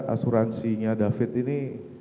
asuransinya david ini